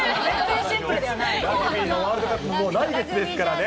ラグビーのワールドカップももう来月ですからね。